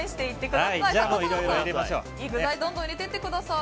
笠原さん、具材どんどん入れていってください。